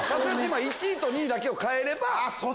１位と２位だけを替えれば。